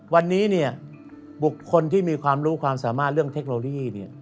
วันนี้เนี่ยบุคคลที่มีความรู้ความสามารถเรื่องเทคโนโลยี